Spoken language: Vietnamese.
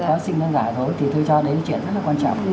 có sinh thân giả rồi thì tôi cho đấy là chuyện rất là quan trọng